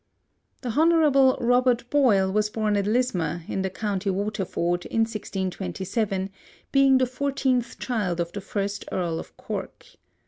The Hon. Robert Boyle was born at Lismore, in the county Waterford, in 1627, being the fourteenth child of the first Earl of Cork.